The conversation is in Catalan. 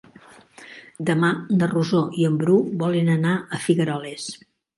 Demà na Rosó i en Bru volen anar a Figueroles.